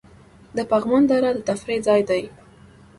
د پغمان دره د تفریح ځای دی